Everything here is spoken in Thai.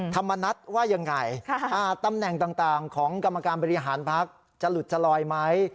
ธรรมนัฐว่ายังไงตำแหน่งต่างของกรรมการบริหารพักจะหลุดจะลอยไหม